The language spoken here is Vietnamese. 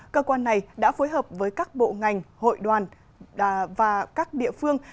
cơ quan này đã phối hợp với các bộ ngành hội đoàn và các địa phương